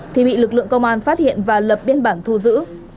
thì bị lực lượng công an phát hiện và lập biên bản thu giữ